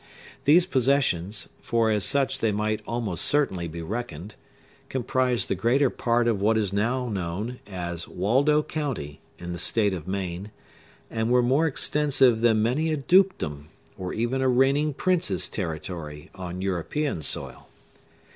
These possessions—for as such they might almost certainly be reckoned—comprised the greater part of what is now known as Waldo County, in the state of Maine, and were more extensive than many a dukedom, or even a reigning prince's territory, on European soil.